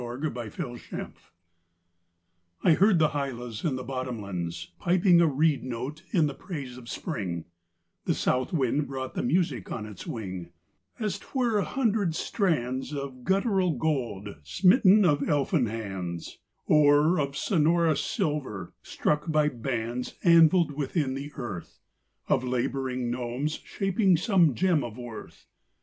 _ THE HYLAS I I heard the hylas in the bottomlands Piping a reed note in the praise of Spring: The South wind brought the music on its wing, As 't were a hundred strands Of guttural gold smitten of elfin hands; Or of sonorous silver, struck by bands, Anviled within the earth, Of laboring gnomes shaping some gem of worth.